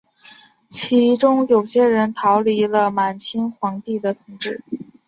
其中有些人逃离了满清皇帝的统治。